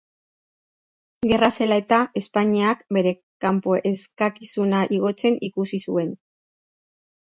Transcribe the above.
Gerra zela eta, Espainiak bere kanpo-eskakizuna igotzen ikusi zuen.